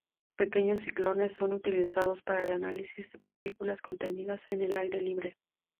Pequeños ciclones son utilizados para el análisis de partículas contenidas en el aire libre.